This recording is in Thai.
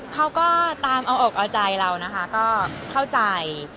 เขาก็ตามเอาอกเอาใจเรานะคะก็เข้าใจ